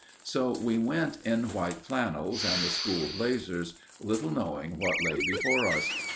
So we went in white flannels and the school blazers, little knowing what lay before us.